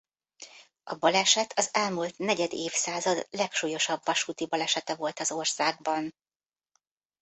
A baleset az elmúlt negyed évszázad legsúlyosabb vasúti balesete volt az országban.